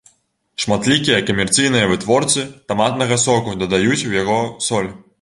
Шматлікія камерцыйныя вытворцы таматнага соку дадаюць у яго соль.